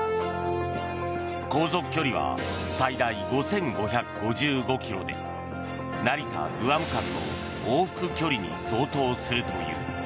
航続距離は最大５５５５ｋｍで成田グアム間の往復距離に相当するという。